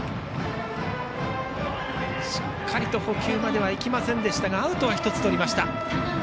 しっかりと捕球まではいきませんでしたがアウトは１つとりました。